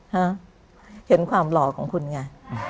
เห็นความหล่อของคุณไง